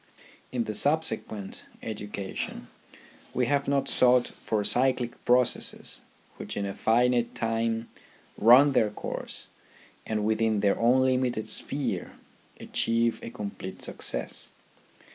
In the subsequent education we have not sought for cyclic processes which in a finite time run their course and within their own limited sphere achieve a complete success.